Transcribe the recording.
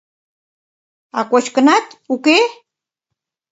А кочкынат, уке?